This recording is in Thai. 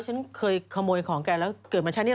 ฉันเคยขโมยของแกแล้วเกิดมาชาตินี้